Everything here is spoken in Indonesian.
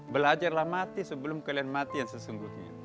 belajarlah mati sebelum kalian mati yang sesungguhnya